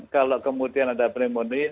kalau kemudian ada pneumonia